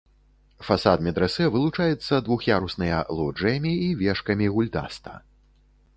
Фасад медрэсэ вылучаецца двух'ярусныя лоджыямі і вежкамі-гульдаста.